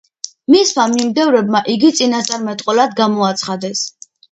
მისმა მიმდევრებმა იგი წინასწარმეტყველად გამოაცხადეს.